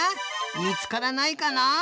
みつからないかな？